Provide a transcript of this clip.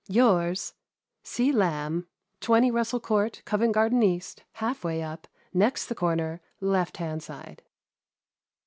" Yours, 0. Lamb. " 20 Rassel Court, Covent Garden East, half way up, next the cor ner, left hand side."